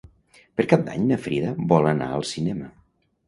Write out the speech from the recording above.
Per Cap d'Any na Frida vol anar al cinema.